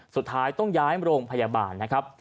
สุดท้ายต้องย้ายโรงพยาบาลนะครับ